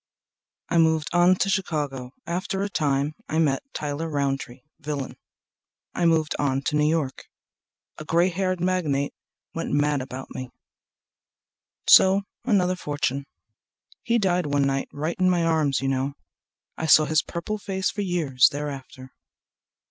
I moved on to Chicago. After a time met Tyler Rountree, villain. I moved on to New York. A gray haired magnate Went mad about me—so another fortune. He died one night right in my arms, you know. (I saw his purple face for years thereafter.